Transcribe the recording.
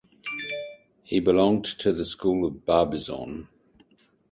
He belonged to the School of Barbizon.